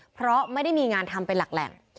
เพราะไม่ได้มีงานทำเป็นหลักแหล่ง